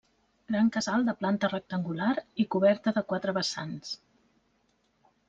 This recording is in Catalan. Gran casal de planta rectangular i coberta de quatre vessants.